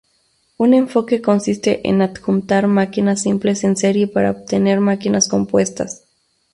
Un enfoque consiste en adjuntar máquinas simples en serie para obtener máquinas compuestas.